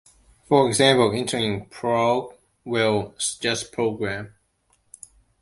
For example, entering "prog" will suggest "program".